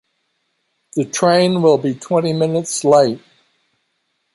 The train will be twenty minutes late.